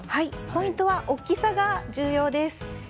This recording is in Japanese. ポイントは大きさが重要です。